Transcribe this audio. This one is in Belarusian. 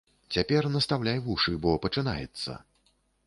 Цяпер настаўляй вушы, бо пачынаецца.